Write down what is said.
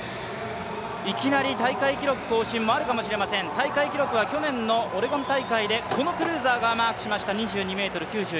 いきなり大会記録更新もあるかもしれません、大会記録は去年のオレゴン大会がこのクルーザーが更新しました。